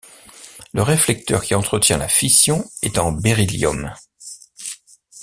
Le réflecteur qui entretient la fission est en béryllium.